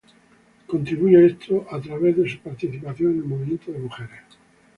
Contribuye a esto por medio de su participación en el movimiento de mujeres.